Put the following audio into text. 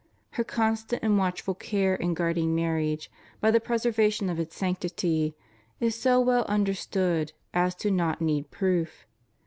Her constant and watchful care in guarding Marriage, by the preserva tion of its sanctity, is so well imderstood as to not need proof.